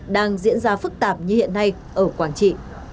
đang diễn ra phức tạp như hiện nay ở quảng trị